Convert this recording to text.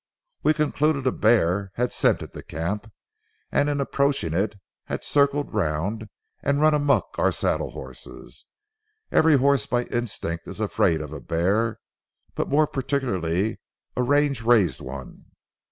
We concluded a bear had scented the camp, and in approaching it had circled round, and run amuck our saddle horses. Every horse by instinct is afraid of a bear, but more particularly a range raised one.